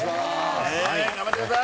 頑張ってください！